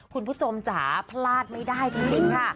คุณผู้ชมจ๋าพลาดไม่ได้จริงค่ะ